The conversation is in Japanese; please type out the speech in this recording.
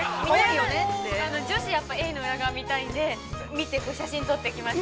◆女子はやっぱりエイの裏側を見たいんで、見て、写真撮ってきました。